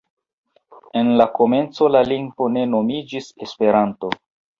En la komenco la lingvo ne nomiĝis Esperanto.